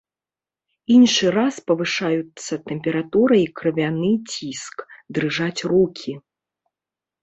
Іншы раз павышаюцца тэмпература і крывяны ціск, дрыжаць рукі.